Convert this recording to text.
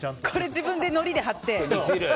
これ、自分でのりで貼って。